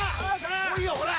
来いよほら！